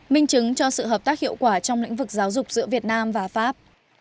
minh chứng cho sự hợp tác hiệu quả trong lĩnh vực giáo dục giữa việt nam và pháp